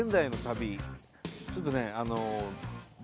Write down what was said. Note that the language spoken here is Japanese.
ちょっとね